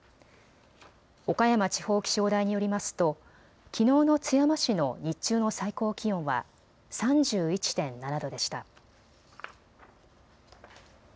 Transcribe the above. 岡山地方気象台によりますときのうの津山市の日中の最高気温は３１．７度でした。